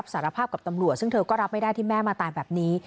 สารภาพกับตำรวจซึ่งเธอก็รับไม่ได้ที่แม่มาตายแบบนี้